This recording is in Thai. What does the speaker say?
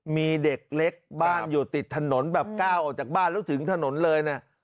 มีเด็กเล็กบ้านอยู่ติดถนนแบบก้าวออกจากบ้านแล้วถึงถนนเลยเนี่ย